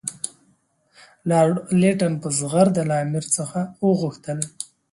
لارډ لیټن په زغرده له امیر څخه وغوښتل.